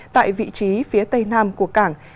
tại vị trí phía tây nam của cảng